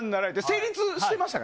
成立してましたか？